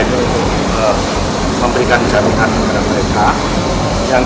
itu tanggung jawab pemerintahan provinsi jawa timur kita bersama sama